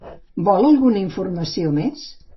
Vol alguna informació més?